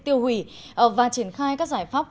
tiêu hủy và triển khai các giải pháp